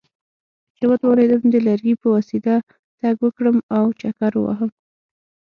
چې وتوانېدم د لرګي په وسیله تګ وکړم او چکر ووهم.